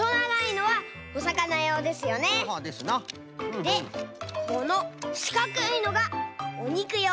でこのしかくいのがおにくよう。